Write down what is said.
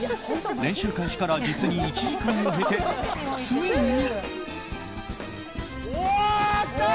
練習開始から実に１時間を経て、ついに。